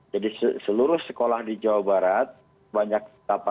jadi seluruh sekolah di jawa barat banyak delapan ratus